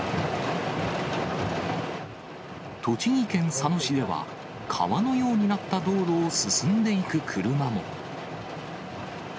栃木県佐野市では、川のようになった道路を進んでいく車も。